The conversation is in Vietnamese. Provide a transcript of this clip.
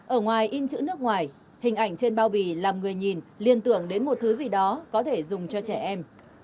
ở ngoài in chữ nước ngoài hình ảnh trên bao bì làm người nhìn liên tưởng đến một thứ gì đó có thể dùng cho trẻ em